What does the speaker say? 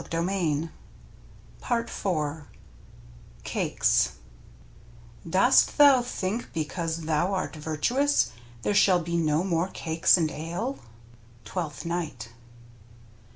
r^^ 30 H ^/ a ih w ^ CAKES Dost thou think because thou art virtuous there shall be no more Cakes and Ale? — Twelfth Night.